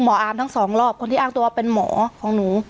อาร์มทั้งสองรอบคนที่อ้างตัวเป็นหมอของหนู